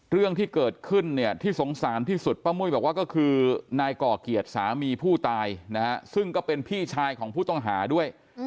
เรื่องที่เกิดขึ้นเนี่ยที่สงสารที่สุดป้ามุ้ยบอกว่าก็คือนายก่อเกียรติสามีผู้ตายนะฮะซึ่งก็เป็นพี่ชายของผู้ต้องหาด้วย